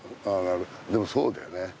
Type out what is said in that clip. でもそうだよね。